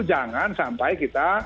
jangan sampai kita